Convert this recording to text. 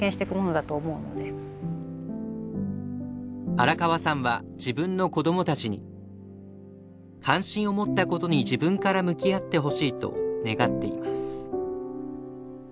荒川さんは自分の子供たちに「関心を持ったことに自分から向き合ってほしい」と願っています。